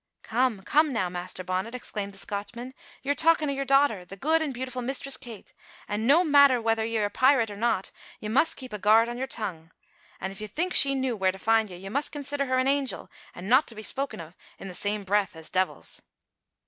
"Come, come now, Master Bonnet!" exclaimed the Scotchman, "ye are talkin' o' your daughter, the good an' beautiful Mistress Kate, an' no matter whether ye are a pirate or no, ye must keep a guard on your tongue. An' if ye think she knew where to find ye, ye must consider her an angel an' no' to be spoken o' in the same breath as de'ils."